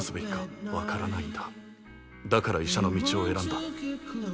だから医者の道を選んだ。